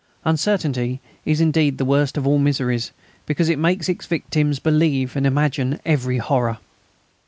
Uncertainty is indeed the worst of all miseries, because it makes its victims believe and imagine every horror.